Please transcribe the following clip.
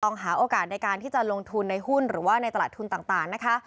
หาโอกาสในการที่จะลงทุนในหุ้นหรือว่าในตลาดทุนต่างนะคะ